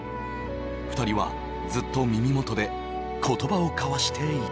２人はずっと耳元で言葉をかわしていた。